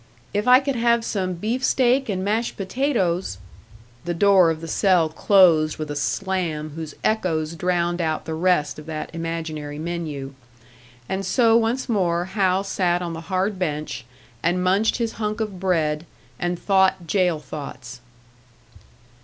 "If I could have some beefsteak and mashed potatoes " The door of the cell closed with a slam whose echoes drowned out the rest of that imaginary menu. And so once more Hal sat on the hard bench, and munched his hunk of bread, and thought jail thoughts.